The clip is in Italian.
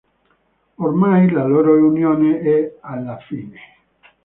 Ormai la loro unione è alla fine.